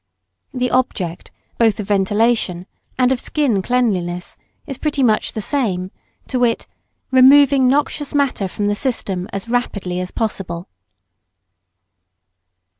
The object, both of ventilation and of skin cleanliness, is pretty much the same, to wit, removing noxious matter from the system as rapidly as possible.